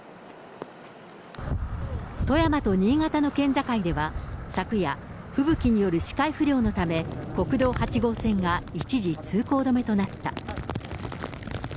富山と新潟の県境では、昨夜、吹雪による視界不良のため、国道８号線が一時通行止めとなった。